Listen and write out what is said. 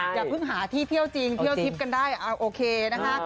อย่าเพิ่งหาที่เที่ยวจริงเที่ยวทิพย์กันได้โอเคนะคะ